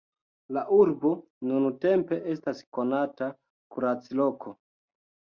La urbo nuntempe estas konata kuracloko.